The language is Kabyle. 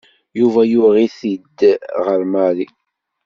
Yuba yuɣ-it-id ɣer Mary.